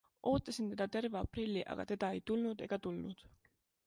Ootasin teda terve aprilli, aga teda ei tulnud ega tulnud.